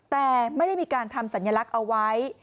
แต่ไม่ได้มีการทำสัญลักษณ์เอาไว้